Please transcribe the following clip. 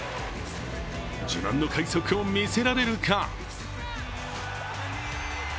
自慢の快足を見せられるか。